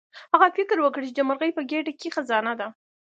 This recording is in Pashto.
هغه فکر وکړ چې د مرغۍ په ګیډه کې خزانه ده.